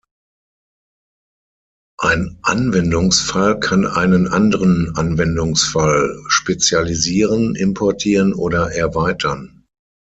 Ein Anwendungsfall kann einen anderen Anwendungsfall "spezialisieren", "importieren" oder "erweitern".